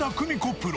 プロ。